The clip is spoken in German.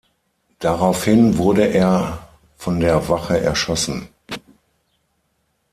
Daraufhin wurde er von der Wache erschossen.